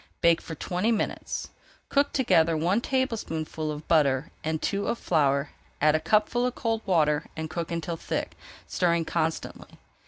Bake for twenty minutes. Cook together one tablespoonful of butter and two of flour, add a cupful of cold water and cook until thick, stirring constantly.